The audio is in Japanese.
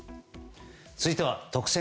続いては特選！！